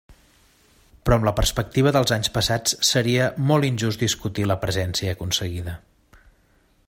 Però amb la perspectiva dels anys passats seria molt injust discutir la presència aconseguida.